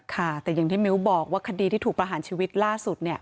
ค่ะแต่อย่างที่มิ้วบอกว่าคดีที่ถูกประหารชีวิตล่าสุด